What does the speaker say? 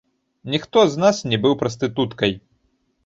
Ніхто з нас не быў прастытуткай!